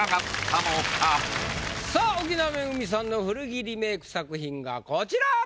さぁ奥菜恵さんの古着リメイク作品がこちら！